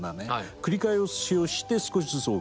繰り返しをして少しずつ大きくなる。